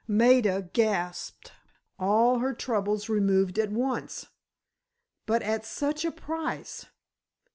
Maida gasped. All her troubles removed at once—but at such a price!